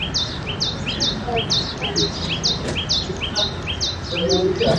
huo lazima aheshimu misingi ya katiba sio tu kwa